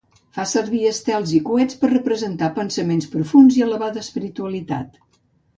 Fa servir estels i coets per representar pensaments profunds i elevada espiritualitat.